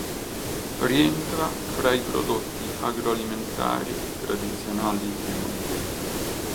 Rientra fra i Prodotti agroalimentari tradizionali piemontesi.